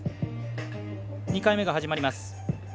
２回目が始まりました。